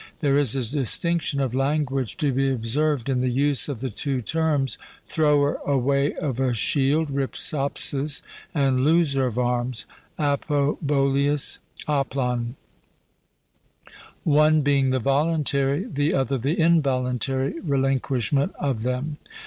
There is a distinction of language to be observed in the use of the two terms, 'thrower away of a shield' (ripsaspis), and 'loser of arms' (apoboleus oplon), one being the voluntary, the other the involuntary relinquishment of them.